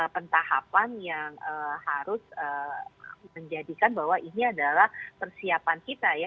pentahapan yang harus menjadikan bahwa ini adalah persiapan kita ya